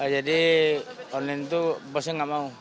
jadi online itu bosnya tidak mau